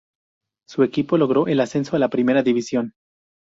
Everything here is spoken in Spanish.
Su equipo logró el ascenso a la Primera División.